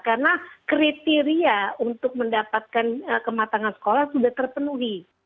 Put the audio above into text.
karena kriteria untuk mendapatkan kematangan sekolah sudah terpenuhi